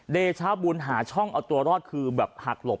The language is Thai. เดชาบุญหาช่องเอาตัวรอดคือแบบหักหลบ